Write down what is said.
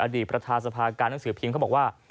ประธานสภาการหนังสือพิมพ์เขาบอกว่า